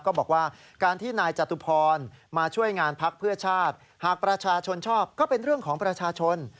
ก็บอกว่าการที่นายจตุพรมาช่วยงานพักเพื่อชาติหากประชาชนชอบก็เป็นเรื่องของประชาชน